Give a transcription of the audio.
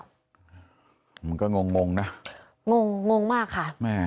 มันก็งงงนะงงงงมากค่ะแม่